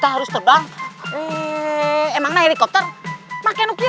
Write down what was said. aku untuk terbang